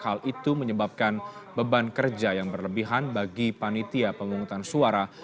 hal itu menyebabkan beban kerja yang berlebihan bagi panitia pengungutan suara